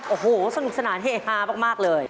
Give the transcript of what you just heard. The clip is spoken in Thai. โอ้โหสนุกสนานเฮฮามากเลย